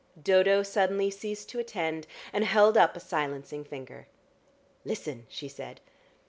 Dodo suddenly ceased to attend, and held up a silencing finger. "Listen!" she said.